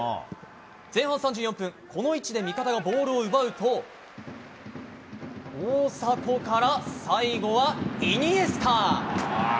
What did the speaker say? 前半３４分、この位置で味方がボールを奪うと大迫から最後はイニエスタ！